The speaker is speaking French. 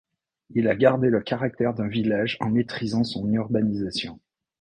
Il a gardé le caractère d'un village en maîtrisant son urbanisation.